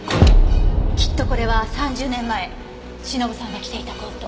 きっとこれは３０年前忍さんが着ていたコート。